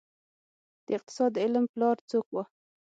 د اقتصاد د علم پلار څوک وه؟